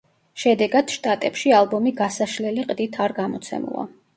შედეგად, შტატებში ალბომი გასაშლელი ყდით არ გამოცემულა.